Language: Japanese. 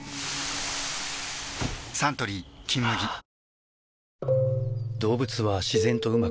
サントリー「金麦」えっ！！